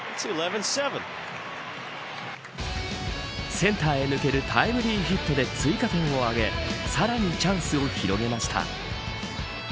センターへ抜けるタイムリーヒットで追加点を上げさらにチャンスを広げました。